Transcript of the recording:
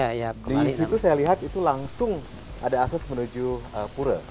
nah di situ saya lihat itu langsung ada akses menuju pura